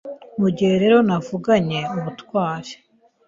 Mugihe rero navuganye ubutwari